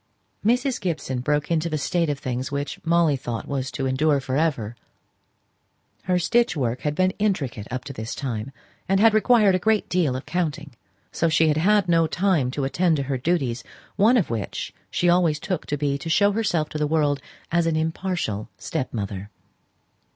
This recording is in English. Mrs. Gibson broke into the state of things which Molly thought was to endure for ever. Her work had been intricate up to this time, and had required a great deal of counting; so she had had no time to attend to her duties, one of which she always took to be to show herself to the world as an impartial stepmother.